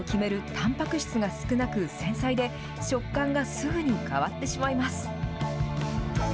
たんぱく質が少なく繊細で食感がすぐに変わってしまいます。